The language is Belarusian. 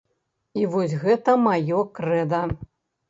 І вось гэта маё крэда.